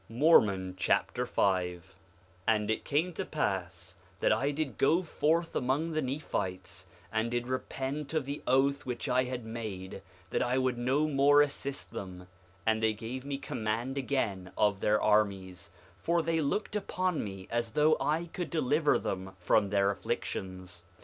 Mormon Chapter 5 5:1 And it came to pass that I did go forth among the Nephites, and did repent of the oath which I had made that I would no more assist them; and they gave me command again of their armies, for they looked upon me as though I could deliver them from their afflictions.